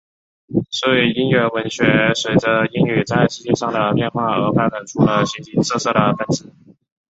所以英语文学随着英语在世界上的变化而发展出了形形色色的分支。